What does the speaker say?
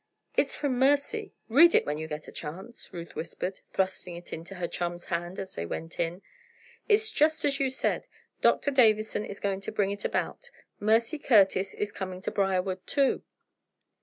"It's from Mercy. Read it when you get a chance," Ruth whispered, thrusting it into her chum's hand as they went in. "It's just as you said Dr. Davison is going to bring it about. Mercy Curtis is coming to Briarwood, too."